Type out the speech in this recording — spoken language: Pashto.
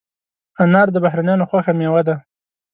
انار د بهرنیانو خوښه مېوه ده.